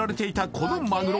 このマグロ